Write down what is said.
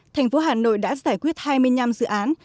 thành phố hà nội đã giải quyết hai mươi năm dự án